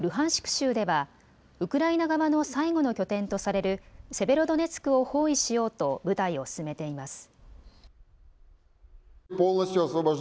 州ではウクライナ側の最後の拠点とされるセベロドネツクを包囲しようと部隊を進めています。